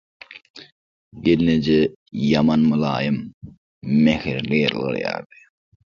Gelneje ýaman mylaýym, mähirli ýylgyrýardy.